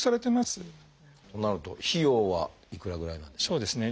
となると費用はいくらぐらいなんでしょう？